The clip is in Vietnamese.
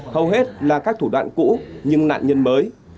hầu hết là các thủ đoạn cũ nhưng nạn nhân mới